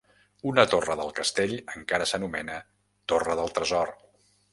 Una torre del castell encara s'anomena Torre del tresor.